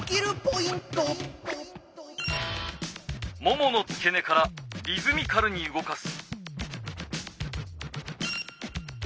もものつけ根からリズミカルに動かす。